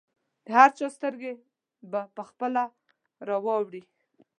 د هر چا سترګې به پخپله ورواوړي.